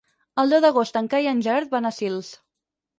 El deu d'agost en Cai i en Gerard van a Sils.